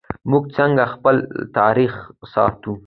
موږ څنګه خپل تاریخ ساتو؟